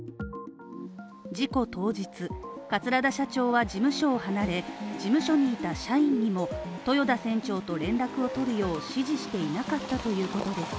事故当日、桂田社長は事務所を離れ、事務所にいた社員にも豊田船長と連絡を取るよう指示していなかったということです。